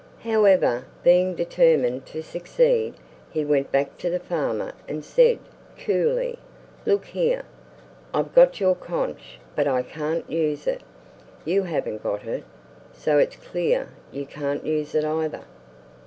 However, being determined to succeed he went back to the farmer and said, coolly, "Look here; I've got your conch, but I can't use it; you haven't got it, So it's clear you can't use it either.